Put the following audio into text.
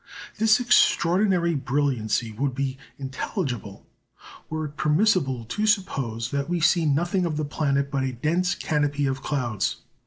This extraordinary brilliancy would be intelligible were it permissible to suppose that we see nothing of the planet but a dense canopy of clouds.